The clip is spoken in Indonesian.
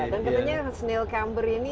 dan katanya snail camper ini